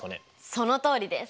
そのとおりです！